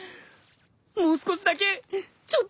もう少しだけちょっとだけ。